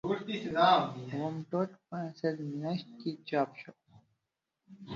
اووم ټوک په اسد میاشت کې چاپ شو.